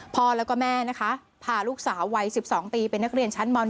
พ่อแล้วก็แม่นะคะพาลูกสาววัย๑๒ปีเป็นนักเรียนชั้นม๑